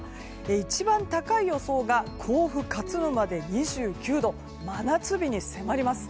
一番高い予想が甲府、勝沼で２９度真夏日に迫ります。